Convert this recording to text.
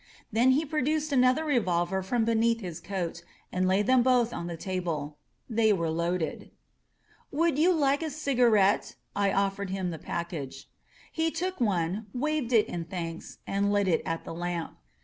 Then he produced another revolver from beneath his coat and laid them both on the ta ble. They were loaded. "Would you like a cigarette?" I offered him the package. He took one, waved it in thanks, and lit it at the lamp.